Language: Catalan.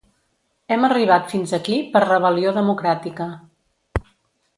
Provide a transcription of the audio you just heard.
Hem arribat fins aquí per rebel·lió democràtica.